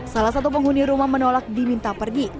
salah satu penghuni rumah menolak diminta pergi